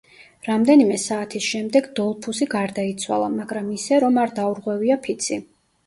რამდენიმე საათის შემდეგ დოლფუსი გარდაიცვალა, მაგრამ ისე, რომ არ დაურღვევია ფიცი.